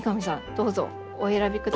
どうぞお選びください。